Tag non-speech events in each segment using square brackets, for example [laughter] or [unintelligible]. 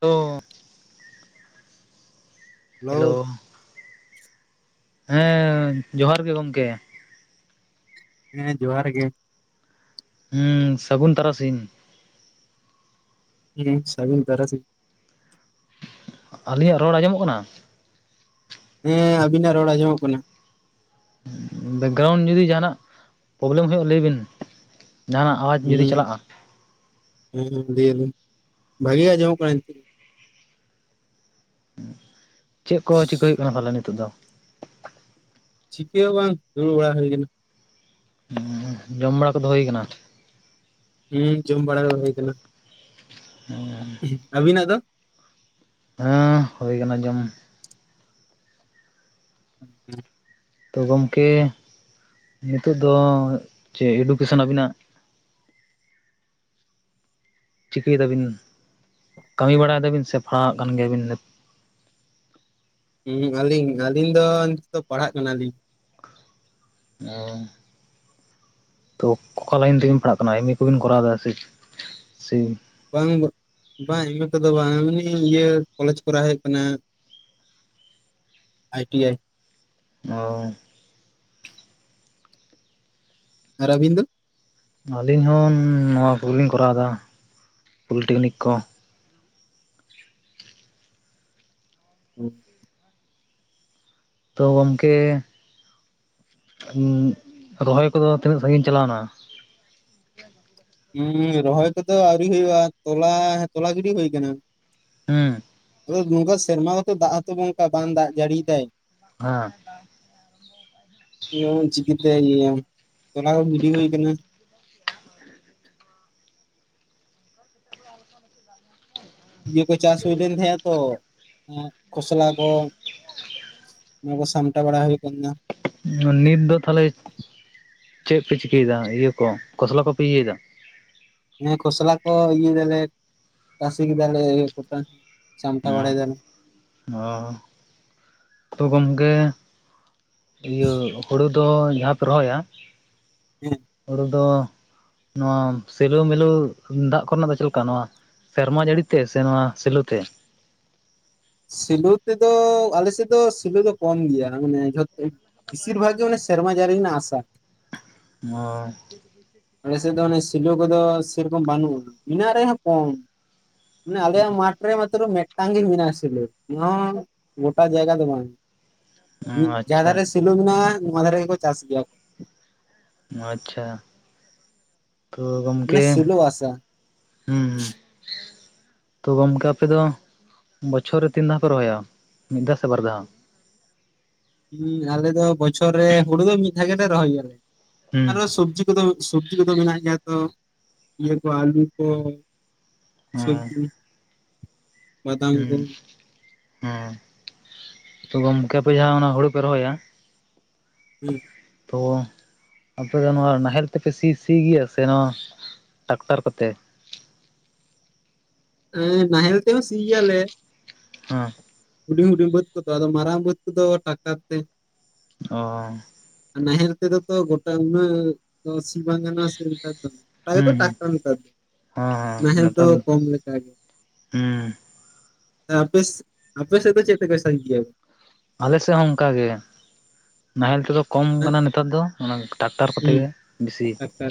ᱚᱻ ᱦᱮᱞᱳ ᱦᱮᱸ ᱡᱚᱦᱟᱨ ᱜᱮ ᱜᱚᱝᱠᱮ᱾ ᱦᱮᱸ ᱡᱚᱦᱟᱨ ᱜᱮ᱾ ᱦᱩᱸ ᱥᱟᱹᱜᱩᱱ ᱛᱟᱨᱟᱥᱤᱧ᱾ ᱦᱩᱸ ᱥᱟᱹᱜᱩᱱ ᱛᱟᱨᱟ ᱥᱤᱧ᱾ ᱟᱹᱞᱤᱧᱟᱜ ᱨᱚᱲ ᱟᱸᱡᱚᱢᱚᱜ ᱠᱟᱱᱟ? ᱦᱮᱸ ᱟᱵᱤᱱᱟᱜ ᱨᱚᱲ ᱟᱸᱡᱚᱢᱚᱜ ᱠᱟᱱᱟ᱾ ᱵᱮᱠᱜᱨᱟᱣᱩᱱᱰ ᱡᱩᱫᱤ ᱡᱟᱦᱟᱸᱱᱟᱜ ᱯᱨᱚᱵᱞᱮᱢ ᱦᱩᱭᱩᱜ ᱟ ᱞᱟᱹᱭ ᱵᱤᱱ, ᱡᱟᱦᱟᱸᱱᱟᱜ ᱦᱩᱸ ᱦᱩᱸ ᱞᱟᱹᱭ ᱟᱞᱤᱧ ᱵᱷᱟᱹᱜᱮ ᱟᱡᱚᱢᱚᱜ ᱠᱟᱱᱟ ᱱᱤᱛᱚᱜ ᱪᱮᱫ ᱠᱚ ᱪᱤᱠᱟᱹ ᱦᱩᱭᱩᱜ ᱠᱟᱱᱟ ᱛᱟᱦᱚᱞᱮ ᱱᱤᱛᱚᱜ ᱫᱚ? ᱪᱤᱠᱮ ᱦᱚᱸ ᱵᱟᱝ ᱫᱩᱲᱩᱵ ᱵᱟᱲᱟ ᱦᱩᱭ ᱠᱟᱱᱟ᱾ ᱦᱩᱸ ᱡᱚᱢ ᱵᱟᱲᱟ ᱠᱚᱫᱚ ᱦᱩᱭ ᱟᱠᱟᱱᱟ? ᱦᱩᱸ ᱡᱚᱢ ᱵᱟᱲᱟ ᱠᱚᱫᱚ ᱦᱩᱭ ᱠᱟᱱᱟ᱾ ᱦᱩᱻ ᱟᱹᱵᱤᱱᱟᱜ ᱫᱚ? ᱦᱮᱸ ᱦᱩᱭ ᱠᱟᱱᱟ ᱡᱚᱢ᱾ [unintelligible] ᱛᱚ ᱜᱚᱢᱠᱮ ᱱᱤᱛᱚᱜ ᱫᱚ ᱪᱮᱫ ᱮᱰᱩᱠᱮᱥᱚᱱ ᱟᱹᱵᱤᱱᱟᱜ ᱪᱤᱠᱟ ᱫᱟᱵᱤᱱ ᱠᱟᱹᱢᱤ ᱵᱟᱲᱟᱭ ᱫᱟᱵᱤᱱ ᱥᱮ ᱯᱟᱲᱦᱟᱣᱟᱜ ᱠᱟᱱ ᱜᱮᱭᱟᱵᱤᱱ ᱱᱤᱛ? ᱦᱩᱸ ᱟᱹᱞᱤᱧ ᱟᱹᱞᱤᱧ ᱫᱚ ᱱᱤᱛᱚᱜ ᱫᱚ ᱯᱟᱲᱦᱟᱜ ᱠᱟᱱᱟᱞᱤᱧ᱾ ᱚᱻ ᱛᱚ ᱚᱠᱟ ᱞᱟᱭᱤᱱ ᱛᱮᱵᱤᱱ ᱯᱟᱲᱦᱟᱜ ᱠᱟᱱᱟ ᱮᱢ ᱮ ᱠᱚᱵᱤᱱ ᱠᱚᱨᱟᱣ ᱮᱫᱟ ᱥᱮ? ᱥᱮ ᱵᱟᱝ, ᱵᱟᱝ ᱮᱢ ᱮ ᱠᱚᱫᱚ ᱵᱟᱝ ᱮᱢᱱᱤ ᱤᱭᱟᱹ ᱠᱚᱞᱮᱡᱽ ᱠᱚᱨᱮ ᱦᱮᱡ ᱠᱟᱱᱟ ᱟᱭ ᱴᱤ ᱟᱭ, ᱚᱻ ᱟᱨ ᱟᱵᱤᱱ ᱫᱚ? ᱟᱹᱞᱤᱧ ᱦᱚᱸ ᱱᱚᱣᱟ ᱠᱚᱞᱤᱧ ᱠᱚᱨᱟᱣ ᱫᱟ ᱯᱚᱞᱤᱴᱮᱠᱱᱤᱠ ᱠᱚ᱾ [inaudible] ᱛᱚ ᱜᱚᱝᱠᱮ ᱩᱸᱜ ᱨᱚᱦᱚᱭ ᱠᱚᱫᱚ ᱛᱤᱱᱟᱹᱜ ᱥᱟᱺᱜᱤᱧ ᱪᱟᱞᱟᱣ ᱱᱟ? ᱩᱸ ᱨᱚᱦᱚᱭ ᱠᱚᱫᱚ ᱟᱹᱣᱨᱤ ᱦᱩᱭᱩᱜᱼᱟ, ᱛᱚᱞᱟ ᱛᱚᱞᱟ ᱜᱤᱰᱤ ᱦᱩᱭ ᱠᱟᱱᱟ᱾ ᱦᱩᱸ᱾ ᱛᱚ ᱱᱚᱝᱠᱟ ᱥᱮᱨᱢᱟ ᱦᱚᱸᱛᱚ ᱫᱟᱜ ᱦᱚᱛᱚ ᱚᱱᱠᱟ ᱵᱟᱝ ᱫᱟᱜ ᱡᱟᱹᱲᱤᱭ ᱫᱟᱭ᱾ ᱦᱮᱸ᱾ ᱚᱱᱟ ᱪᱤᱠᱟᱹ ᱛᱮ ᱤᱭᱟᱢᱟ ᱛᱚᱞᱟᱣ ᱜᱤᱰᱤ ᱦᱩᱭ ᱟᱠᱟᱱᱟ ᱤᱭᱟᱹ ᱠᱚ ᱪᱟᱥ ᱦᱩᱭ ᱞᱮᱱ ᱛᱟᱦᱮᱸᱼᱟ ᱛᱚ ᱠᱷᱚᱥᱞᱟ ᱠᱚ ᱚᱱᱟ ᱠᱚ ᱥᱟᱢᱴᱟ ᱵᱟᱲᱟ ᱦᱩᱭ ᱠᱟᱱᱟᱱᱟ᱾ ᱱᱤᱛ ᱫᱚ ᱛᱟᱦᱞᱮ ᱪᱮᱫ ᱯᱮ ᱪᱤᱠᱟᱹᱭ ᱫᱟ ᱤᱭᱟᱹ ᱠᱚ ᱠᱷᱚᱥᱞᱟ ᱠᱚᱯᱮ ᱤᱭᱟᱹᱭ ᱫᱟ? ᱦᱮᱸ ᱠᱷᱚᱥᱞᱟ ᱠᱚ ᱤᱭᱟᱹ ᱫᱟᱞᱮ ᱛᱟᱥ ᱠᱮᱫᱟᱞᱮ ᱤᱭᱟᱹ ᱠᱚᱴᱟ ᱥᱟᱢᱴᱟᱣ ᱵᱟᱲᱟᱭ ᱫᱟᱞᱮ ᱚ ᱚᱻ ᱛᱚ ᱜᱚᱝᱠᱮ ᱤᱭᱟᱹ ᱦᱩᱲᱩ ᱫᱚ ᱡᱟᱦᱟᱸ ᱯᱮ ᱨᱚᱦᱚᱭᱟ, ᱦᱮᱸ᱾ ᱦᱳᱲᱳ ᱫᱚ ᱱᱚᱣᱟ ᱥᱤᱞᱳ ᱢᱤᱞᱳ ᱫᱟᱜ ᱠᱚᱨᱮᱱᱟᱜ ᱫᱚ ᱪᱮᱫᱮᱠᱟ ᱱᱚᱣᱟ ᱥᱮᱨᱢᱟ ᱡᱟᱹᱲᱤ ᱛᱮ ᱥᱮ ᱱᱚᱣᱟ ᱥᱮᱞᱳ ᱛᱮ? ᱥᱮᱞᱚ ᱛᱮᱫᱚ ᱟᱞᱮᱥᱮᱫ ᱫᱚ ᱥᱮᱞᱚ ᱫᱚ ᱠᱚᱢ ᱜᱮᱭᱟ, ᱢᱟᱱᱮ ᱡᱚᱛ ᱵᱮᱥᱤᱨ ᱵᱷᱟᱜᱽ ᱜᱮ ᱢᱟᱱᱮᱼᱼ ᱥᱮᱨᱢᱟ ᱡᱟᱨᱤ ᱨᱮᱱᱟᱜ ᱟᱥᱟᱼᱼ ᱦᱚᱭ ᱟᱞᱮᱥᱮᱫ ᱫᱚ ᱚᱱᱮ ᱥᱮᱞᱚ ᱠᱚᱫᱚ ᱥᱮᱨᱚᱠᱚᱢ ᱵᱟᱹᱱᱩᱜᱼᱟ, ᱢᱮᱱᱟᱜ ᱨᱮᱦᱚᱸ ᱠᱚᱢ᱾ ᱢᱟᱱᱮ ᱟᱞᱮᱭᱟᱜ ᱢᱟᱴᱷ ᱨᱮ ᱢᱟᱛᱨᱚ ᱢᱤᱫᱴᱟᱝ ᱜᱮ ᱢᱮᱱᱟᱜ ᱥᱮᱞᱳ, ᱚᱱᱟ ᱦᱚ ᱜᱚᱴᱟ ᱡᱟᱭᱜᱟ ᱫᱚ ᱵᱟᱝ ᱾ ᱢᱤᱫ ᱡᱟᱦᱟᱸ ᱟᱪᱪᱷᱟ ᱫᱷᱟᱨᱮ ᱥᱮᱞᱩ ᱢᱮᱱᱟᱜᱼᱟ, ᱱᱚᱣᱟ ᱫᱷᱟᱨᱮ ᱜᱮᱠᱚ ᱪᱟᱥ ᱜᱮᱭᱟ ᱠᱚ᱾ ᱟᱪᱪᱷᱟ ᱛᱚ ᱢᱟᱱᱮ ᱜᱚᱝᱠᱮ, ᱥᱮᱞᱚ ᱟᱥᱟ ᱦᱮᱸ ᱦᱮᱸ ᱛᱚ ᱜᱚᱝᱠᱮ ᱟᱯᱮ ᱫᱚ, ᱵᱚᱪᱷᱚᱨ ᱨᱮ ᱛᱤᱱ ᱫᱷᱟᱣ ᱯᱮ ᱨᱚᱦᱚᱭᱟ ᱢᱤᱫ ᱫᱷᱟᱣ ᱥᱮ ᱵᱟᱨ ᱫᱷᱟᱣ? ᱦᱮᱸ ᱟᱞᱮ ᱫᱚ ᱵᱚᱪᱷᱚᱨ ᱨᱮ ᱦᱩᱲᱩ ᱫᱚ ᱢᱤᱫ ᱫᱷᱟᱣ ᱜᱮᱞᱮ ᱨᱚᱦᱚᱭᱟᱞᱮ, ᱦᱩᱸ ᱟᱨᱠᱤ ᱥᱚᱵᱽᱡᱤᱼᱼ ᱠᱚᱫᱚ [unintelligible] ᱥᱚᱵᱽᱡᱤ ᱠᱚᱫᱚ ᱢᱮᱱᱟᱜ ᱜᱮᱭᱟ ᱛᱚ ᱤᱭᱟᱹ ᱠᱚ ᱟᱹᱞᱩ ᱠᱚ ᱦᱮᱸ ᱥᱚᱵᱡᱤ [unintelligible] ᱦᱩᱸ ᱦᱮᱸ ᱜᱚᱝᱠᱮ ᱟᱯᱮ ᱡᱟᱦᱟᱸ ᱦᱩᱲᱩ ᱯᱮ ᱨᱚᱦᱚᱭᱟ᱾ ᱦᱩᱸ ᱛᱚ ᱟᱯᱮ ᱫᱚ ᱱᱚᱣᱟ ᱱᱟᱦᱮᱞ ᱛᱮᱯᱮ ᱥᱤ ᱥᱤ ᱜᱮᱭᱟ, ᱥᱮ ᱱᱚᱣᱟᱼᱼ ᱴᱨᱟᱠᱛᱟᱨ ᱠᱚᱛᱮ ᱾ ᱮ ᱱᱟᱦᱮᱞ ᱛᱮᱦᱚ ᱥᱤ ᱜᱮᱭᱟ ᱞᱮ᱾ ᱦᱩᱸ ᱦᱩᱰᱤᱧ ᱦᱩᱰᱤᱧ ᱵᱟᱹᱫᱽ ᱠᱚᱫᱚ ᱟᱫᱚ ᱢᱟᱨᱟᱝ ᱵᱟᱹᱫᱽ ᱠᱚᱫᱚ ᱴᱟᱠᱟ ᱛᱮ ᱾ ᱚ [unintelligible] ᱱᱟᱦᱮᱞ ᱛᱮᱫᱚ ᱛᱚ ᱜᱚᱴᱟ ᱩᱱᱟᱹᱜᱼᱼ ᱛᱚ ᱥᱤ ᱵᱟᱝ ᱜᱟᱱᱜᱟ ᱥᱮ, ᱱᱮᱛᱟᱨ ᱫᱚ ᱜᱚᱴᱟ ᱛᱚ ᱦᱩᱸ ᱴᱨᱟᱠᱴᱟᱨ ᱱᱮᱛᱟᱨ ᱫᱚ ᱾ ᱦᱮᱸ ᱦᱮᱸ ᱱᱟᱦᱮᱞ ᱫᱚ ᱱᱮᱛᱟᱨ ᱠᱚᱢ ᱞᱮᱠᱟ ᱜᱮ᱾ ᱦᱩᱸ ᱟᱯᱮᱥ ᱟᱯᱮ ᱥᱮᱫ ᱫᱚ ᱪᱮᱫ ᱛᱮᱠᱚ ᱥᱟ ᱜᱮᱭᱟ? ᱟᱞᱮ ᱥᱮᱫ ᱦᱚᱸ ᱚᱱᱠᱟᱜ ᱜᱮ ᱾ ᱱᱟᱦᱮᱞ ᱛᱮᱫᱚ ᱠᱚᱢ ᱠᱟᱱᱟ ᱱᱮᱛᱟᱨ ᱫᱚ ᱚᱱᱟ ᱴᱟᱠᱴᱟᱨ ᱠᱚᱛᱮ ᱦᱩᱸ ᱜᱮ ᱵᱤᱥᱤᱼᱼ ᱴᱟᱠᱴᱟᱨ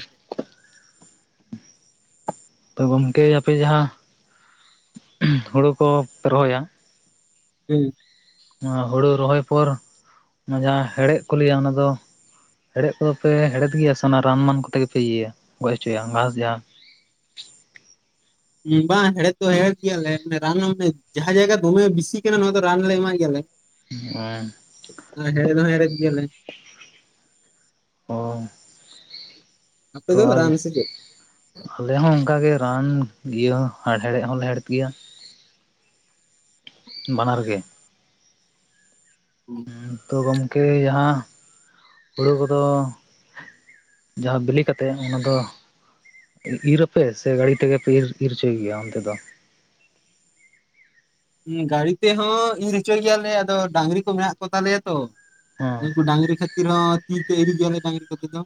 ᱛᱚ ᱜᱚᱝᱠᱮ ᱟᱯᱮ ᱡᱟᱦᱟᱸ ᱦᱩᱲᱩ ᱠᱚᱯᱮ ᱨᱚᱦᱚᱭᱟ ᱾ ᱦᱩᱸ ᱚᱱᱟ ᱦᱩᱲᱩ ᱨᱚᱦᱚᱭ ᱯᱚᱨ, ᱚᱱᱟ ᱡᱟᱦᱟᱸ ᱦᱮᱲᱦᱮᱫ ᱠᱚ ᱞᱟᱹᱭᱟ ᱚᱱᱟ ᱫᱚᱼᱼ ᱦᱮᱦᱮᱫ ᱠᱚᱫᱚ ᱯᱮ ᱦᱮᱦᱮᱫ ᱜᱮᱭᱟ ᱥᱮ ᱚᱱᱟ ᱨᱟᱱ ᱢᱟᱱ ᱠᱚᱛᱮ ᱜᱮᱯᱮ ᱤᱭᱟᱹᱭᱟ, ᱜᱚᱡ ᱦᱚᱪᱚᱭᱟ ᱜᱷᱟᱥ ᱡᱟᱦᱟᱸᱼᱼ ᱵᱟᱝ ᱦᱮᱲᱦᱮᱫ ᱫᱚ ᱦᱮᱦᱮᱫ ᱜᱮᱭᱟᱞᱮ ᱨᱟᱱ ᱦᱚᱸᱮ ᱡᱟᱦᱟᱸ ᱡᱟᱭᱜᱟ ᱫᱚᱢᱮ ᱵᱤᱥᱤ ᱠᱟᱱᱟ ᱱᱚᱣᱟ ᱫᱚ ᱨᱟᱱ ᱞᱮ ᱮᱢᱟᱜ ᱜᱮᱭᱟᱞᱮ ᱾ ᱚ [unintelligible] ᱦᱮᱸᱲᱮᱫ ᱦᱚᱸ ᱦᱮᱸᱲᱮᱫ ᱜᱮᱤᱭᱞᱮ ᱾ ᱚᱻ ᱟᱯᱮ ᱛᱚ ᱫᱚ ᱟᱨ ᱨᱟᱱ ᱥᱮ ᱪᱮᱫ? ᱟᱞᱮ ᱦᱚᱸ ᱚᱱᱠᱟᱜ ᱜᱮ ᱨᱟᱱ ᱤᱭᱟᱹ ᱦᱮᱬᱦᱮᱫ ᱦᱚᱸ ᱞᱮᱮ ᱦᱮᱲᱦᱮᱫ ᱜᱮᱭᱟ᱾ ᱵᱟᱱᱟᱨ ᱜᱮ᱾ ᱦᱩᱸ᱾ ᱛᱚ ᱜᱚᱝᱠᱮ ᱡᱟᱦᱟᱸ ᱦᱩᱲᱩ ᱠᱚᱫᱚᱼᱼ ᱡᱟᱦᱟᱸ ᱵᱤᱞᱤ ᱠᱟᱛᱮᱜ ᱚᱱᱟ ᱫᱚᱼᱼ ᱤᱨ ᱟᱯᱮ, ᱥᱮ ᱜᱟᱹᱲᱤ ᱛᱮᱜᱮ ᱯᱮ ᱤᱨ ᱤᱨ ᱦᱚᱪᱚᱭ ᱜᱮᱭᱟ ᱚᱱᱛᱮ ᱫᱚ? ᱜᱟᱹᱲᱤ ᱛᱮᱦᱚᱸ ᱤᱨ ᱦᱚᱪᱚᱭ ᱜᱮᱭᱟᱞᱮ ᱟᱫᱚ ᱰᱟᱝᱨᱤ ᱠᱚ ᱢᱮᱱᱟᱜ ᱠᱚ ᱛᱟᱞᱮᱭᱟ ᱛᱚ ᱼᱼ ᱦᱮᱸ ᱩᱱ ᱰᱟᱝᱨᱤᱤ ᱠᱷᱮᱛᱨ ᱛᱤ ᱛᱮ ᱤᱫᱤ ᱜᱮᱭᱟᱞᱮ ᱰᱟᱝᱨᱤ ᱠᱚᱛᱮ ᱫᱚ,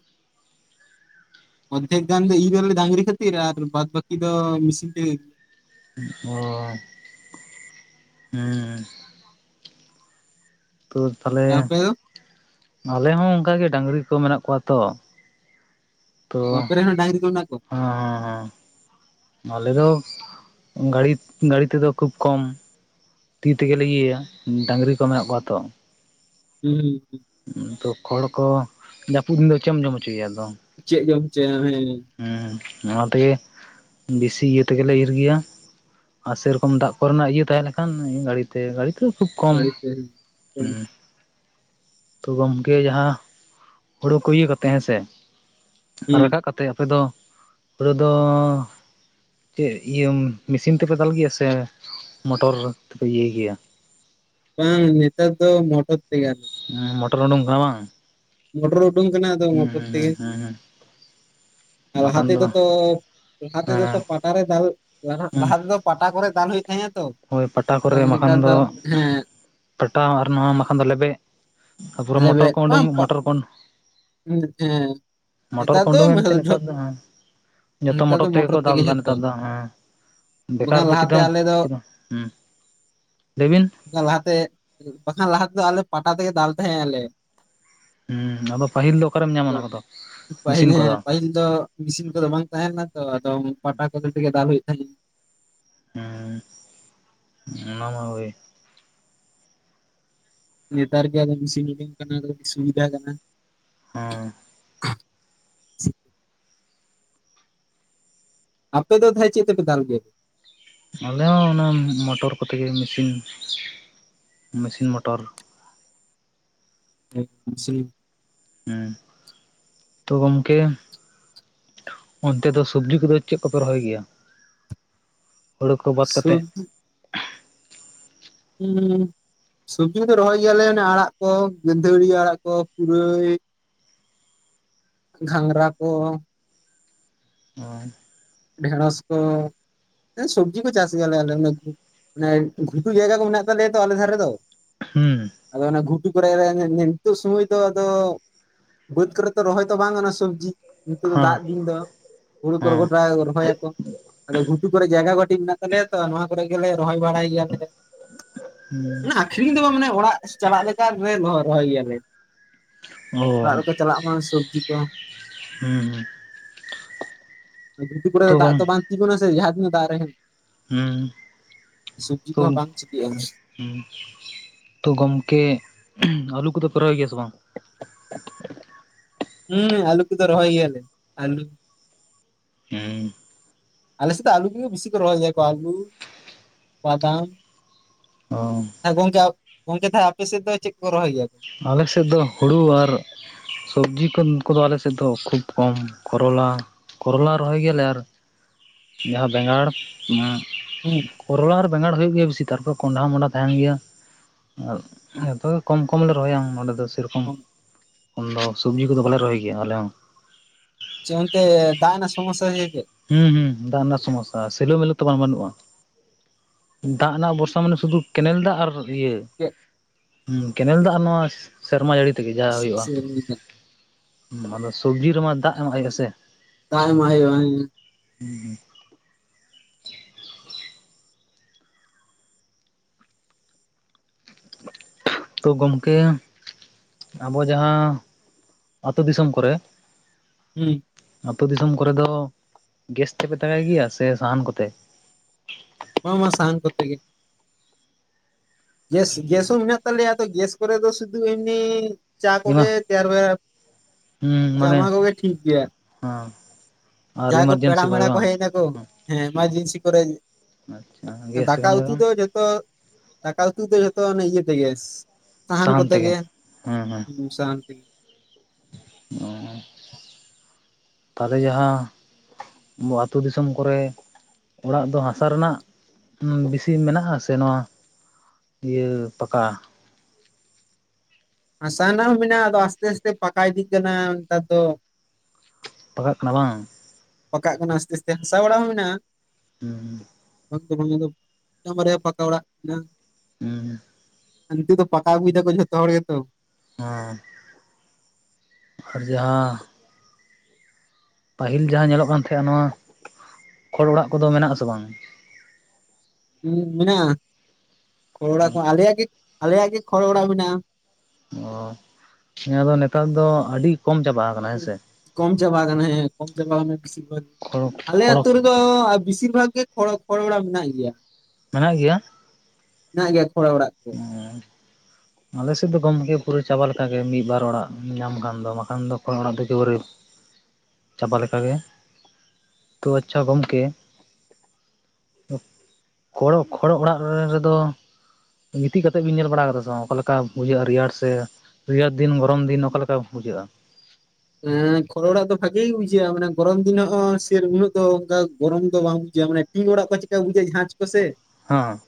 ᱚᱫᱫᱷᱮᱠ ᱜᱟᱱ ᱫᱚ ᱤᱨᱞᱮ ᱰᱟᱝᱨᱤ ᱠᱷᱟᱹᱛᱤᱨ ᱟᱨ ᱵᱟᱫᱽ ᱵᱟᱹᱠᱤ ᱫᱚ ᱢᱮᱥᱤᱱ ᱛᱮ ᱾ ᱚᱻ ᱦᱩᱸ ᱛᱚ ᱛᱟᱦᱚᱞᱮ, ᱟᱯᱮ ᱫᱚ ᱟᱞᱮ ᱦᱚᱸ ᱚᱱᱠ ᱜᱮ ᱰᱟᱹᱟᱝᱨᱤ ᱠᱚ ᱢᱮᱱᱟᱜ ᱠᱚᱣᱟ ᱛᱚ ᱾ ᱚ ᱟᱯᱮ ᱨᱮᱱ ᱦᱚᱸ ᱰᱟᱝᱨᱤ ᱠᱚ ᱢᱮᱱᱟᱜ ᱠᱚᱣᱟ? ᱦᱮᱸ ᱦᱮᱸ ᱦᱮᱸ ᱟᱞᱮ ᱫᱚ ᱜᱟᱹᱲᱤ ᱜᱟᱹᱲᱤ ᱛᱮᱫᱚ ᱠᱷᱩᱵ ᱠᱚᱢᱼᱼ ᱛᱤ ᱛᱮᱜᱮᱞᱮ ᱤᱭᱟᱹᱭᱟ ᱰᱟᱝᱨᱤ ᱠᱚ ᱢᱮᱱᱟᱜ ᱠᱚᱣᱟ ᱛᱚ ᱾ ᱦᱩᱸ ᱦᱩᱸ ᱛᱚ ᱠᱷᱚᱲ ᱠᱚ ᱡᱟᱹᱯᱩᱫ ᱫᱤᱱ ᱫᱚ ᱪᱮᱫ ᱮᱢ ᱡᱚᱢ ᱦᱚᱪᱚᱭᱮᱭᱟ ᱟᱫᱚ ᱾ ᱪᱮᱫ ᱡᱚᱢ ᱦᱚᱪᱚᱭᱮᱭᱟ ᱦᱮᱸᱼᱼ ᱦᱮᱸ ᱚᱱᱟ ᱛᱮᱜᱮ ᱵᱤᱥᱤ ᱤᱭᱟᱹ ᱛᱮᱜᱮᱞᱮ ᱤᱨ ᱜᱮᱭᱟ᱾ ᱟᱨ ᱥᱮᱨᱚᱠᱚᱢ ᱫᱟᱜ ᱠᱚᱨᱮᱱᱟᱜ ᱤᱭᱟᱹ ᱛᱟᱦᱮᱸ ᱞᱮᱱᱠᱷᱟᱱ, ᱜᱟᱹᱲᱤᱛᱮ ᱜᱟᱹᱲᱤᱛᱮᱼᱼ [unintelligible] ᱛᱚ ᱜᱚᱢᱠᱮ ᱡᱟᱦᱟᱸ, ᱦᱩᱲᱩ ᱠᱚ ᱤᱭᱟᱹ ᱠᱟᱛᱮ ᱦᱮᱸ ᱥᱮᱼᱼ ᱟᱨ ᱦᱩᱸ ᱨᱟᱠᱟᱵ ᱠᱟᱛᱮᱫ ᱟᱯᱮ ᱫᱚ, ᱦᱩᱲᱩ ᱫᱚᱼᱼ ᱪᱮᱫ ᱤᱭᱟᱹ ᱢᱮᱥᱤᱱ ᱛᱮᱯᱮ ᱫᱟᱞ ᱜᱮᱭᱟ ᱥᱮ, ᱢᱚᱴᱚᱨ ᱛᱮᱯᱮ ᱤᱭᱟᱹᱭ ᱜᱮᱭᱟ ᱾ ᱵᱟᱝ ᱱᱮᱛᱟᱨ ᱫᱚ ᱢᱚᱴᱚᱨ ᱛᱮᱜᱟᱱ᱾ [unintelligible] ᱦᱮᱸ ᱢᱚᱴᱚᱨ ᱩᱰᱩᱝ ᱠᱟᱱᱟ ᱵᱟᱝ? ᱢᱚᱴᱚᱨ ᱩᱰᱩᱝ ᱠᱟᱱᱟ, ᱟᱫᱚ ᱦᱩᱸ ᱢᱚᱴᱚᱨ ᱛᱮᱜᱮ ᱦᱩᱸ ᱾ ᱦᱩᱸ ᱦᱩᱸ ᱟᱨ ᱞᱟᱦᱟ ᱵᱟᱠᱷᱟᱱ ᱫᱚ ᱛᱮᱫᱚ ᱛᱚ, ᱞᱟᱦᱟ ᱛᱮᱫᱚ ᱛᱚ ᱦᱮᱸ ᱯᱟᱴᱟ ᱨᱮ ᱫᱟᱞ ᱞᱟᱦᱟ ᱛᱮᱫᱚᱼᱼ ᱯᱟᱴᱟ ᱠᱚᱨᱮ ᱫᱟᱞ ᱦᱩᱭᱩᱜ ᱛᱟᱦᱮᱸᱼᱟ ᱛᱚ, ᱦᱳᱭ ᱯᱟᱴᱟ ᱟᱫᱚ ᱠᱚᱨᱮ ᱵᱟᱠᱷᱟᱱ ᱱᱮᱛᱟᱨ ᱫᱚ ᱦᱮᱸᱼᱼ ᱯᱟᱴᱟᱣ ᱟᱨ ᱱᱚᱣᱟ ᱵᱟᱠᱷᱟᱱ ᱫᱚ ᱞᱮᱵᱮᱫ, ᱛᱟᱨᱯᱚᱨᱮ ᱢᱚᱴᱚᱨ ᱞᱮᱵᱮᱫ ᱠᱚ ᱚᱰᱚᱝ ᱵᱟᱝ ᱯᱟᱜ ᱢᱚᱴᱚᱨ ᱠᱚᱼᱼ ᱦᱮᱸ ᱢᱚᱴᱚᱨ ᱱᱮᱛᱟᱨ ᱠᱚ ᱫᱚ ᱚᱰᱚᱝ ᱮᱱᱛᱮ ᱱᱮᱛᱟᱨ ᱫᱚ ᱦᱟᱸᱜᱼᱼ ᱡᱚᱛᱚ ᱱᱮᱛᱟᱨ ᱫᱚ ᱢᱚᱴᱚᱨ ᱛᱮᱜᱮ ᱠᱚ ᱫᱟᱞ ᱮᱫᱟ ᱡᱷᱚᱛᱚ ᱱᱮᱛᱟᱨ ᱫᱚ ᱦᱮᱸ, ᱵᱮᱠᱟᱨ ᱵᱟᱠᱷᱟᱱ ᱫᱚ ᱪᱮᱫ ᱞᱟᱦᱟᱛᱮ ᱟᱞᱮ ᱫᱚ [inaudible] ᱦᱩᱸ, ᱞᱟᱹᱭᱵᱤᱱ ᱾ ᱠᱷᱟᱱ ᱞᱟᱦᱟᱛᱮ, ᱵᱟᱠᱷᱟᱱ ᱞᱟᱦᱟ ᱛᱮᱫᱚ ᱟᱞᱮ ᱯᱟᱴᱟ ᱛᱮᱜᱮ ᱫᱟᱞ ᱛᱟᱦᱮᱸᱜ ᱟᱞᱮ ᱾ ᱦᱮᱸ ᱟᱫᱚ ᱯᱟᱹᱦᱤᱞ ᱫᱚ ᱚᱠᱟᱨᱮᱢ ᱧᱟᱢᱟ ᱚᱱᱟ ᱠᱚᱫᱚ, ᱯᱟᱹᱦᱤᱞ ᱢᱮᱥᱤᱱ ᱠᱚᱫᱚ ᱦᱮᱸ ᱾ ᱯᱟᱹᱦᱤᱞ ᱫᱚᱼᱼ ᱢᱮᱥᱤᱱ ᱠᱚᱫᱚ ᱵᱟᱝ ᱛᱟᱦᱮᱸ ᱞᱮᱱᱟ ᱛᱚ ᱟᱫᱚᱢ ᱯᱟᱴᱟ ᱠᱚᱛᱮᱜ ᱛᱮᱜᱮ ᱫᱟᱞ ᱦᱩᱭᱩᱜ ᱛᱟᱦᱮᱸᱱᱟ ᱾ ᱦᱮᱸ, [unintelligible] ᱚᱱᱟ ᱢᱟ ᱦᱳᱭ ᱾ ᱱᱮᱛᱟᱨ ᱜᱮ ᱟᱫᱚ ᱢᱮᱥᱤᱱ ᱩᱰᱩᱠ ᱠᱟᱱᱟ, ᱥᱩᱵᱤᱫᱷᱟ ᱠᱟᱱᱟ ᱾ ᱦᱚᱸ ᱾ ᱟᱯᱮ ᱫᱚ ᱛᱟᱦᱮᱸᱟᱦ [unintelligible] ᱪᱮᱫ ᱛᱮᱯᱮ ᱫᱟᱞ ᱜᱮᱭᱟ? ᱟᱞᱮ ᱦᱚᱸ ᱚᱱᱟ ᱢᱚᱴᱚᱨ ᱠᱚᱛᱮᱜᱮ ᱢᱤᱥᱤᱱ, ᱢᱤᱥᱤᱱ ᱢᱚᱴᱚᱨ ᱾ [unintelligible] ᱟᱸ [unintelligible] ᱛᱚ ᱜᱚᱢᱠᱮ ᱚᱱᱛᱮ ᱫᱚ ᱥᱚᱵᱽᱡᱤ ᱠᱚᱫᱚ ᱪᱮᱫ ᱠᱚᱯᱮ ᱨᱚᱦᱚᱭ ᱜᱮᱭᱟ? ᱦᱩᱲᱩ ᱠᱚ ᱵᱟᱫ ᱠᱟᱛᱮᱫ? ᱩᱸ [unintelligible] ᱥᱚᱵᱽᱡᱤ ᱠᱚᱫᱚ ᱨᱚᱦᱚᱭ ᱜᱮᱭᱟᱞᱮ, ᱟᱲᱟᱜ ᱠᱚ, ᱜᱟᱸᱫᱷᱟᱹᱨᱤ ᱟᱲᱟᱜ ᱠᱚ, ᱯᱩᱨᱟᱹᱭᱼᱼ ᱜᱷᱟᱸᱜᱽᱨᱟ ᱠᱚ ᱾ ᱩᱸ [unintelligible] ᱾ ᱰᱷᱮᱬᱚᱥ ᱠᱚ, ᱦᱮᱸ ᱥᱚᱵᱽᱡᱤ ᱠᱚ ᱪᱟᱥ ᱜᱮᱭᱟ ᱞᱮ ᱟᱞᱮ ᱠᱚ [inaudible] ᱾ ᱢᱟᱱᱮ [unintelligible] ᱜᱷᱩᱴᱩ ᱡᱟᱭᱜᱟ ᱠᱚ ᱢᱮᱱᱟᱜ ᱛᱟᱞᱮᱭᱟ ᱛᱚ ᱟᱞᱮ ᱫᱷᱟᱨᱮ ᱨᱮᱫᱚ ᱾ ᱦᱩᱸ ᱾ ᱟᱫᱚ ᱚᱱᱟ ᱜᱷᱩᱴᱩ ᱠᱚᱨᱮᱟᱭ [unintelligible] ᱨᱮ ᱱᱤᱛᱚᱜ ᱥᱚᱢᱚᱭ ᱫᱚ ᱟᱫᱚ ᱾ ᱵᱟᱹᱫᱽ ᱠᱚᱨᱮ ᱛᱚ ᱨᱚᱦᱚᱭ ᱛᱚ ᱵᱟᱝ ᱜᱟᱱᱚᱜᱼᱟ ᱥᱚᱵᱽᱡᱤ, ᱱᱤᱛᱚᱜ ᱫᱚ ᱦᱮᱸ ᱫᱟᱜ ᱫᱤᱱ ᱫᱚ, ᱦᱩᱲᱩ ᱠᱚᱨᱮ [unintelligible] ᱾ ᱦᱮᱸ ᱠᱟᱜ [unintelligible] ᱨᱚᱦᱚᱭᱟ ᱠᱚ ᱾ ᱟᱫᱚ ᱜᱷᱩᱴᱩ ᱠᱚᱨᱮ ᱡᱟᱭᱜᱟ ᱠᱟᱴᱤᱡ ᱢᱮᱱᱟᱜ ᱛᱟᱞᱮᱭᱟ ᱛᱚ ᱱᱚᱣᱟ ᱠᱚᱨᱮ ᱜᱮᱞᱮ ᱨᱚᱦᱚᱭ ᱵᱟᱲᱟᱭ ᱜᱮᱭᱟᱞᱮ ᱾ ᱟᱹᱠᱷᱨᱤᱧ ᱫᱚ ᱵᱟᱝ ᱢᱟᱱᱮ ᱚᱲᱟᱜ ᱪᱟᱞᱟᱜ ᱞᱮᱠᱟ ᱨᱮ ᱨᱚᱦᱚᱭ ᱜᱮᱭᱟᱞᱮ ᱾ ᱚ ᱚᱲᱟᱜ ᱨᱮᱠᱚ ᱪᱟᱞᱟᱜ ᱢᱟ ᱥᱚᱵᱽᱡᱤ ᱠᱚ [unintelligible] ᱦᱩᱸ ᱦᱩᱸ ᱾ ᱜᱷᱩᱴᱩ ᱠᱚᱨᱮ ᱛᱚ ᱫᱚ ᱫᱟᱜ ᱜᱚᱢ ᱫᱚ ᱵᱟᱝ ᱾ [unintelligible] ᱥᱮ ᱡᱟᱦᱟᱸ ᱛᱤᱱᱟᱹᱜ ᱫᱟᱜ ᱨᱮ ᱦᱩᱸ ᱥᱚᱵᱽᱡᱤ ᱠᱚᱦᱚᱸ ᱵᱟᱝ ᱪᱤᱠᱤᱼᱟ᱾ ᱦᱩᱸ ᱾ [unintelligible] ᱛᱚ ᱜᱚᱢᱠᱮ, [unintelligible] ᱟᱹᱞᱩ ᱠᱚᱫᱚ ᱯᱮ ᱨᱚᱦᱚᱣ ᱜᱮᱭᱟ ᱥᱮ ᱵᱟᱝ? ᱦᱩᱸ ᱟᱞᱩ ᱠᱚᱫᱩ ᱨᱚᱦᱚᱭ ᱜᱮᱭᱟ ᱞᱮ, ᱟᱞᱩ ᱦᱩᱸ ᱾ ᱟᱞᱮ ᱥᱮᱫ ᱛᱚ ᱟᱹᱞᱩ ᱜᱮ ᱵᱤᱥᱤ ᱜᱮ ᱨᱚᱦᱚᱭ ᱜᱮᱭᱟ ᱠᱚ, ᱟᱹᱞᱩᱼᱼ ᱵᱟᱫᱟᱢ ᱾ ᱚ ᱦᱮᱸ ᱜᱚᱝᱠᱮ, ᱜᱚᱝᱠᱮ ᱛᱟᱦᱚᱞᱮ ᱟᱯᱮ ᱥᱮᱫ ᱫᱚ ᱪᱮᱫ ᱠᱚ ᱨᱚᱦᱚᱭ ᱜᱮᱭᱟ? ᱟᱞᱮ ᱥᱮᱫ ᱫᱚ ᱦᱩᱲᱩ ᱟᱨ ᱥᱚᱵᱽᱡᱤ ᱠᱚ ᱠᱚᱫᱚ ᱟᱞᱮ ᱥᱮᱫ ᱫᱚ ᱠᱷᱩᱵᱽ ᱠᱚᱢ, ᱠᱚᱨᱚᱞᱟ ᱠᱚᱨᱚᱞᱟ ᱨᱚᱦᱚᱭ ᱜᱮᱭᱟᱞᱮ ᱟᱨ ᱡᱟᱦᱟᱸ ᱵᱮᱸᱜᱟᱲ ᱦᱩᱸ ᱠᱚᱨᱚᱞᱟ ᱟᱨ ᱵᱮᱸᱜᱟᱲ ᱦᱩᱭᱩᱜ ᱜᱮᱭᱟ ᱵᱤᱥᱤ ᱛᱟᱨᱯᱚᱨᱮ ᱠᱚᱸᱰᱷᱟ ᱢᱚᱸᱰᱟᱷᱟ ᱛᱟᱦᱮᱱ ᱜᱮᱭᱟ ᱾ ᱟᱨ ᱡᱚᱛᱚ ᱜᱮ ᱠᱚᱢ ᱠᱚᱢ ᱞᱮ ᱨᱚᱦᱚᱭᱟ ᱱᱚᱰᱮ ᱫᱚ ᱥᱮᱨᱚᱠᱚᱢ ᱦᱩᱸ ᱾ ᱩᱱ ᱫᱚ ᱥᱚᱵᱽᱡᱤ ᱠᱚᱫᱚ ᱵᱟᱞᱮ ᱨᱚᱦᱚᱭ ᱜᱮᱭᱟ ᱟᱞᱮ ᱦᱚᱸ ᱾ ᱪᱮ ᱚᱱᱛᱮ ᱫᱟᱜ ᱮᱱᱟ ᱥᱚᱢᱚᱥᱭᱟᱛᱮ? ᱦᱩᱸ ᱦᱩᱸ ᱫᱟᱜ ᱨᱮᱱᱟᱜ ᱥᱚᱢᱚᱥᱟ ᱥᱤᱞᱩ ᱢᱤᱞᱩ ᱛᱚ ᱵᱟᱝ ᱵᱟᱹᱱᱩᱜᱼᱟ ᱾ ᱫᱟᱜ ᱨᱮᱱᱟᱜ ᱵᱚᱨᱥᱟ ᱢᱟᱱᱮ ᱥᱩᱫᱷᱩ ᱠᱮᱱᱮᱞ ᱫᱟᱜ ᱟᱨ ᱤᱭᱟᱹ ᱪᱮᱫ? ᱠᱮᱱᱮᱞ ᱫᱟᱜ ᱟᱨ ᱱᱚᱣᱟ ᱥᱮᱨᱢᱟ ᱡᱟᱹᱲᱤ ᱛᱮᱜᱮ ᱡᱟ ᱦᱩᱭᱩᱜᱼᱟ ᱪᱮᱫ ᱟᱫᱚ ᱥᱚᱵᱽᱡᱤ ᱨᱮᱢᱟ ᱫᱟᱜ ᱮᱢᱚᱜ ᱦᱩᱭᱩᱜᱼᱟ ᱥᱮ? [unintelligible] ᱮᱢᱟ ᱦᱩᱭᱩᱜᱼᱟ ᱾ ᱦᱩᱸ ᱦᱩᱸ ᱾ ᱛᱚ ᱜᱚᱝᱠᱮ ᱟᱵᱚ ᱡᱟᱦᱟᱸ ᱟᱹᱛᱩ ᱫᱤᱥᱚᱢ ᱠᱚᱨᱮ ᱦᱩᱸ ᱾ ᱟᱹᱛᱩ ᱫᱤᱥᱚᱢ ᱠᱚᱨᱮ ᱫᱚ ᱜᱮᱥ ᱛᱮᱯᱮ ᱛᱟᱠᱟᱭ ᱜᱮᱭᱟ ᱥᱮ ᱥᱟᱦᱟᱱ ᱠᱚᱛᱮ? ᱢᱟ ᱢᱟ ᱥᱟᱱ ᱠᱚᱛᱮ ᱜᱮ ᱾ ᱜᱮᱥ ᱜᱮᱥ ᱦᱚᱸ ᱢᱮᱱᱟᱜ ᱛᱟᱞᱮᱭᱟ ᱜᱮᱥ ᱠᱚᱨᱮ ᱫᱚ ᱥᱩᱫᱩ ᱮᱢᱱᱤ ᱪᱟ ᱠᱚᱜᱮ ᱮᱢᱟ ᱛᱮᱭᱟᱨ ᱵᱮᱲᱟ ᱦᱩᱸ ᱢᱟᱱᱮ ᱪᱟᱢᱟ ᱠᱚᱜᱮ ᱴᱷᱤᱠ ᱜᱮᱭᱟ ᱾ ᱦᱮᱸ ᱾ ᱡᱟᱦᱟᱸᱭ ᱠᱚ ᱯᱮᱲᱟ ᱢᱮᱲᱟ ᱠᱚ ᱦᱮᱡ ᱱᱟᱠᱚ ᱦᱮᱸ ᱮᱢᱟᱨᱡᱮᱱᱥᱤ ᱠᱚᱨᱮ ᱟᱪᱪᱷᱟ ᱜᱮᱥ ᱫᱟᱠᱟ ᱛᱮᱠᱷᱟᱱ ᱩᱛᱩ ᱵᱟᱝ ᱫᱚ ᱡᱚᱛᱚ ᱫᱟᱠᱟ ᱩᱛᱩ ᱫᱚ ᱡᱚᱛᱚ ᱚᱱᱮ ᱤᱭᱟᱹᱛᱮᱜᱮ ᱜᱮᱥ ᱥᱟᱦᱟᱱ ᱠᱚᱛᱮ ᱜᱮ ᱦᱮᱸ ᱦᱮᱸ ᱦᱩ ᱥᱟᱦᱟᱱ ᱛᱮᱜᱮ ᱾ ᱚ ᱛᱟᱦᱞᱮ ᱡᱟᱦᱟᱸ ᱵᱚ ᱟᱹᱛᱩ ᱫᱤᱥᱚᱢ ᱠᱚᱨᱮ ᱚᱲᱟᱜ ᱫᱚ ᱦᱟᱥᱟ ᱨᱮᱱᱟᱜ ᱵᱤᱥᱤ ᱢᱮᱱᱟᱜᱼᱟ ᱥᱮ ᱱᱚᱣᱟ ᱤᱭᱟᱹ ᱯᱟᱠᱟ? ᱦᱟᱥᱟ ᱨᱮᱱᱟᱜ ᱦᱚᱸ ᱢᱮᱱᱟᱜᱼᱟ ᱟᱫᱚ ᱟᱥᱛᱮ ᱟᱥᱛᱮ ᱯᱟᱠᱟ ᱤᱫᱤᱜ ᱠᱟᱱᱟ ᱱᱮᱛᱟᱨ ᱫᱚ ᱾ ᱯᱟᱠᱟᱜ ᱠᱟᱱᱟ ᱵᱟᱝ? ᱯᱟᱠᱟᱜ ᱠᱟᱱᱟ ᱟᱥᱛᱮ ᱟᱥᱛᱮ ᱦᱟᱥᱟ ᱵᱟᱲᱟ ᱦᱚᱸ ᱢᱮᱱᱟᱜᱼᱟ ᱾ ᱦᱩᱸ ᱾ ᱵᱟᱝ ᱫᱚ ᱵᱟᱝ ᱟᱫᱚ ᱢᱤᱫᱴᱟᱝ ᱵᱟᱨᱭᱟ ᱯᱟᱠᱟ ᱚᱲᱟᱜ [unintelligible] ᱦᱩᱸ ᱦᱟᱱᱠᱩ ᱫᱚ ᱯᱟᱠᱟ ᱟᱹᱜᱩᱭ ᱫᱟᱠᱚ ᱡᱚᱛᱚ ᱦᱚᱲ ᱜᱮᱛᱚ ᱾ ᱦᱩᱸ ᱟᱨ ᱡᱟᱦᱟᱸ ᱯᱟᱹᱦᱤᱞ ᱡᱟᱦᱟᱸ ᱧᱮᱞᱚᱜ ᱠᱟᱱ ᱛᱟᱦᱮᱸᱜᱼᱟ ᱱᱚᱣᱟ ᱠᱷᱚᱲ ᱚᱲᱟᱜ ᱠᱚᱫᱚ ᱢᱮᱱᱟᱜ ᱟᱥᱮ ᱵᱟᱝ? ᱦᱩᱸ ᱢᱮᱱᱟᱜᱼᱟ ᱠᱷᱚᱲ ᱚᱲᱟ ᱠᱚ ᱟᱞᱮᱭᱟᱜ ᱜᱮ ᱟᱞᱮᱭᱟᱜ ᱜᱮ ᱠᱷᱚᱲ ᱚᱲᱟ ᱢᱮᱱᱟᱜᱼᱟ ᱾ ᱚ ᱱᱤᱭᱟᱹ ᱫᱚ ᱱᱮᱛᱟᱨ ᱫᱚ ᱟᱹᱰᱤ ᱠᱚᱢ ᱪᱟᱵᱟ ᱟᱠᱟᱱᱟ ᱦᱮᱸᱥᱮ ᱠᱚᱢ ᱪᱟᱵᱟ ᱠᱟᱱᱟ ᱦᱮᱸ ᱠᱚᱢ ᱪᱟᱵᱟ ᱠᱟᱱᱟ ᱵᱤᱥᱤᱨ ᱵᱷᱟᱜ ᱠᱷᱚᱲ ᱟᱞᱮ ᱠᱷᱚᱲ ᱟᱹᱛᱩ ᱨᱮ ᱫᱚ ᱵᱤᱥᱤᱨ ᱵᱷᱟᱜ ᱜᱮ ᱠᱷᱚ ᱠᱷᱚᱲ ᱚᱲᱟᱜ ᱢᱮᱱᱟᱜ ᱜᱮᱭᱟ ᱾ ᱢᱮᱱᱟᱜ ᱜᱮᱭᱟ? ᱢᱮᱱᱟᱜ ᱜᱮᱭᱟ ᱠᱷᱚᱲ ᱚᱲᱟᱜ ᱾ ᱚᱸᱻ ᱟᱞᱮᱥᱮᱫ ᱫᱚ ᱜᱚᱢᱠᱮ ᱯᱩᱨᱟᱹ ᱪᱟᱵᱟ ᱞᱮᱠᱟ ᱜᱮ ᱢᱤᱫ ᱵᱟᱨ ᱚᱲᱟᱜ ᱧᱟᱢ ᱠᱷᱟᱱ ᱫᱚ ᱵᱟᱠᱷᱟᱱ ᱫᱚ ᱠᱷᱚᱲ ᱚᱲᱟᱜ ᱫᱚ ᱮᱠᱮᱵᱟᱨᱮ [inaudible] ᱪᱟᱵᱟ ᱞᱮᱠᱟᱜᱮ ᱛᱚ ᱟᱪᱪᱷᱟ ᱜᱚᱢᱠᱮ ᱠᱷᱚᱲ ᱠᱷᱚᱲ ᱚᱲᱟᱜ ᱨᱮᱫᱚ ᱜᱤᱛᱤᱡ ᱠᱟᱛᱮᱜ ᱵᱤᱱ ᱧᱮᱞ ᱵᱟᱲᱟ ᱠᱟᱫᱟ ᱥᱮ ᱵᱟᱝᱟ ᱚᱠᱟ ᱞᱮᱠᱟ ᱵᱩᱡᱷᱟᱹᱜᱼᱟ ᱨᱮᱭᱟᱲ ᱥᱮ ᱨᱮᱭᱟᱹᱲ ᱫᱤᱱ ᱜᱚᱨᱚᱢ ᱫᱤᱱ ᱚᱠᱟ ᱞᱮᱠᱟ ᱵᱩᱡᱷᱟᱹᱜᱼᱟ? ᱦᱮᱸ ᱠᱷᱚᱲ ᱚᱲᱟᱜ ᱫᱚ ᱵᱷᱟᱜᱤ ᱜᱮ ᱵᱩᱡᱷᱟᱹᱜᱼᱟ ᱢᱟᱱᱮ ᱜᱚᱨᱚᱢ ᱫᱤᱱᱚᱜ ᱥᱮᱨ ᱩᱱᱟᱹᱜ ᱫᱚ ᱚᱱᱠᱟ ᱜᱚᱨᱚᱢ ᱫᱚ ᱵᱟᱝ ᱵᱩᱡᱷᱟᱹᱜᱼᱟ ᱢᱟᱱᱮ ᱴᱤᱱ ᱚᱲᱟᱜ ᱠᱚ ᱪᱮᱠᱟ ᱵᱩᱡᱷᱟᱹᱜᱼᱟ ᱡᱷᱟᱡᱽ ᱠᱚᱥᱮ ᱦᱚᱸ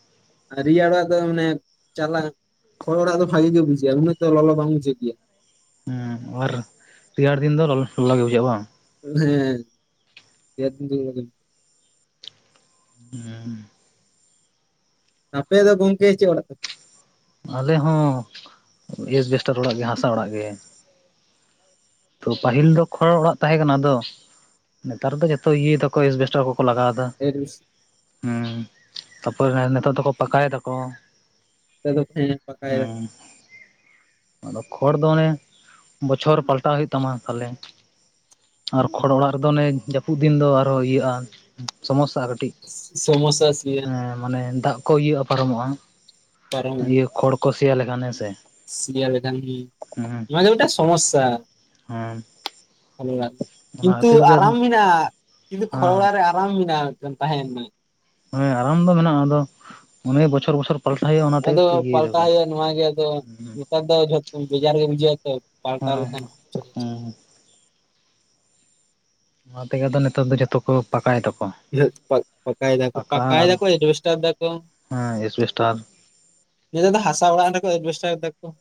ᱨᱮᱭᱟᱲᱟᱜ ᱫᱚ ᱢᱟᱱᱮ ᱪᱟᱞᱟ ᱠᱷᱚᱲ ᱚᱲᱟᱜ ᱫᱚ ᱵᱷᱟᱹᱜᱤ ᱜᱮ ᱵᱩᱡᱷᱟᱹᱜ-ᱟ ᱩᱱᱟᱹᱜ ᱞᱚᱞᱚ ᱵᱟᱝ ᱵᱩᱡᱷᱟᱹᱜ ᱜᱮᱭᱟ᱾ ᱦᱩᱸ ᱟᱵᱟᱨ ᱨᱮᱭᱟᱲ ᱫᱤᱱ ᱫᱚ ᱞᱚᱞᱚ ᱜᱮ ᱵᱩᱡᱷᱟᱹᱜ ᱵᱟᱝ ᱦᱮᱸ ᱨᱮᱭᱟᱲ ᱫᱤᱱ ᱫᱚ ᱞᱚᱞᱚ ᱦᱩᱸ ᱟᱯᱮ ᱫᱚ ᱜᱚᱝᱠᱮ ᱪᱮᱫ ᱚᱲᱟᱜ ᱛᱟᱯᱮ? ᱟᱞᱮ ᱦᱚᱸ ᱮᱥᱵᱮᱥᱴᱟᱨ ᱚᱲᱟᱜ ᱜᱮ ᱦᱟᱥᱟ ᱚᱲᱟᱜ ᱜᱮ᱾ ᱛᱚ ᱯᱟᱹᱦᱤᱞ ᱫᱚ ᱠᱷᱚᱲ ᱚᱲᱟᱜ ᱛᱟᱦᱮᱸ ᱠᱟᱱᱟ ᱟᱫᱚ ᱱᱮᱛᱟᱨ ᱫᱚ ᱡᱚᱛᱚ ᱤᱭᱟᱹᱭ ᱫᱟᱠᱚ ᱮᱥᱵᱮᱥᱴᱟᱨ ᱠᱚᱠᱚ ᱞᱟᱜᱟᱣ ᱮᱫᱟ ᱮᱰᱵᱮᱥ [unintelligible] ᱦᱩᱸ ᱛᱟᱯᱚᱨ ᱱᱤᱛᱚᱜ ᱫᱚᱠᱚ ᱯᱟᱠᱟᱭ ᱫᱟᱠᱚ ᱦᱮᱸ ᱯᱟᱠᱟᱭ ᱦᱩᱸ ᱟᱫᱚ ᱠᱷᱚᱲ ᱫᱚ ᱚᱱᱮ ᱵᱚᱪᱷᱚᱨ ᱯᱟᱞᱴᱟᱣ ᱦᱩᱭᱩᱜ ᱛᱟᱢᱟ ᱛᱟᱦᱞᱮ ᱟᱨ ᱠᱷᱚᱲ ᱚᱲᱟᱜ ᱨᱮᱫᱚ ᱚᱱᱮ ᱡᱟᱹᱯᱩᱫ ᱫᱤᱱ ᱫᱚ ᱟᱨᱦᱚᱸ ᱤᱭᱟᱹᱜᱼᱟ ᱥᱚᱢᱚᱥᱥᱟᱜ-ᱟ ᱠᱟᱹᱴᱤᱡ ᱥᱚᱢᱳᱥᱥᱟ [unintelligible] ᱦᱮ ᱢᱟᱱᱮ ᱫᱟᱜ ᱠᱚ ᱤᱭᱟᱹᱜ-ᱟ ᱯᱟᱨᱚᱢᱚᱜᱼᱟ ᱯᱟᱨᱚᱢᱚᱜᱼᱟ ᱤᱭᱟᱹ ᱠᱷᱚᱲ ᱠᱚ ᱥᱮᱭᱟ ᱞᱮᱠᱷᱟᱱ ᱦᱮᱸᱥᱮ ᱥᱤᱭᱟ ᱞᱮᱠᱷᱟᱱ ᱚᱱᱟᱜᱮ ᱢᱤᱫᱴᱟᱱ ᱥᱚᱢᱚᱥᱥᱟ᱾ ᱦᱚᱸ [unintelligible] ᱠᱤᱱᱛᱩ ᱦᱮᱸ ᱟᱨᱟᱢ ᱢᱮᱱᱟᱜᱼᱟ ᱠᱤᱱᱛᱩ ᱠᱷᱚᱲ ᱚᱲᱟ ᱨᱮ ᱟᱨᱟᱢ ᱢᱮᱱᱟᱜᱼᱟ ᱢᱤᱫᱴᱟᱱ ᱛᱟᱦᱮᱱ ᱢᱮ᱾ ᱦᱮᱸ ᱟᱨᱟᱢ ᱫᱚ ᱢᱮᱱᱟᱜᱼᱟ ᱟᱫᱚ ᱚᱱᱮ ᱵᱚᱪᱷᱚᱨ ᱵᱚᱪᱷᱚᱨ [unintelligible] ᱟᱫᱚ ᱤᱭᱟᱹᱭ ᱫᱟᱠᱚ ᱯᱟᱞᱴᱟᱭ ᱦᱩᱭᱩᱜ-ᱟ ᱱᱚᱣᱟ ᱜᱮ ᱟᱫᱚ ᱦᱩᱸ ᱱᱮᱛᱟᱨ ᱫᱚ ᱡᱷᱚ ᱵᱮᱡᱟᱨ ᱜᱮ ᱵᱩᱡᱷᱟᱹᱜᱼᱟ ᱛᱚ ᱦᱮᱸ ᱯᱟᱞᱴᱟᱣ ᱦᱮᱸ ᱞᱮᱠᱷᱟᱱ ᱦᱮᱸ ᱱᱚᱣᱟ ᱛᱮᱜᱮ ᱟᱫᱚ ᱱᱮᱛᱟᱨ ᱫᱚ ᱡᱚᱛᱚ ᱠᱚ ᱯᱟᱠᱟᱭ ᱫᱟᱠᱚ [inaudible] ᱯᱟᱠᱟᱭ ᱫᱟᱠᱚ ᱯᱟᱠᱟ ᱯᱟᱠᱟᱭ ᱟᱨ ᱫᱟᱠᱚ ᱮᱡᱵᱮᱥᱴᱟᱨ ᱫᱟᱠᱚ ᱦᱮᱸ ᱮᱥᱵᱮᱥᱴᱟᱨ [inaudible] ᱫᱟ ᱦᱟᱥᱟ ᱚᱲᱟᱜ ᱨᱮᱦᱚᱸ ᱠᱚ ᱮᱡᱵᱮᱥᱴᱟᱨ ᱫᱟᱠᱚ